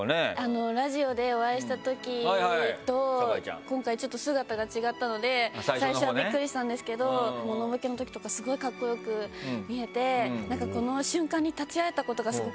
ラジオでお会いした時と今回ちょっと姿が違ったので最初はビックリしたんですけどモノボケの時とかすごいかっこ良く見えてなんかこの瞬間に立ち会えた事がすごく嬉しいなと思いました。